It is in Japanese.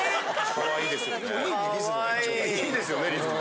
いいですよねリズム。